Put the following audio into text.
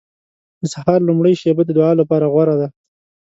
• د سهار لومړۍ شېبه د دعا لپاره غوره ده.